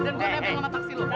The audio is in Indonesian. dan gue ada yang bernama taksi lu